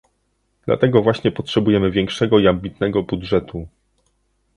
Dlatego właśnie potrzebujemy większego i ambitnego budżetu